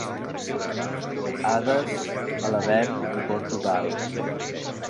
Hades, a l'avern hi porto gal.